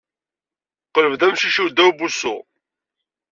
Qelleb-d amcic-iw ddaw wusu.